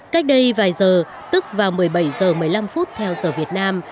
cách đây vài giờ tức vào một mươi bảy h một mươi năm theo giờ việt nam